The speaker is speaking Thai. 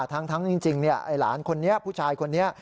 ทั้งจริงไอ้หลานคนนี้ผู้ชายคนนี้